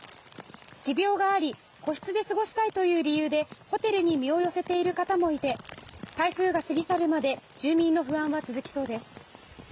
持病があり個室で過ごしたいという理由でホテルに身を寄せている方もいて台風が過ぎ去るまで住民の不安は続きそうです。